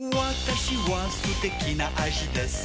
私は素敵な味です